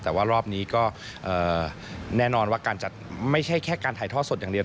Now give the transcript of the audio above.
แต่ว่ารอบนี้ก็แน่นอนว่าการจัดไม่ใช่แค่การถ่ายทอดสดอย่างเดียว